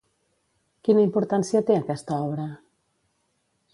Quina importància té aquesta obra?